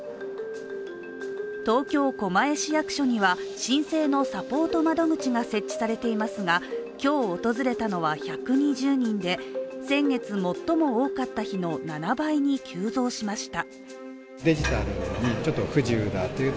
東京・狛江市役所には申請のサポート窓口が設置されていますが、今日、訪れたのは１２０人で先月、最も多かった日の７倍に急増しました。